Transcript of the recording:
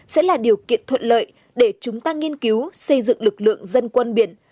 sẽ là điều kiện thuận lợi để chúng ta nghiên cứu xây dựng lực lượng dân quân biển